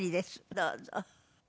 どうぞ。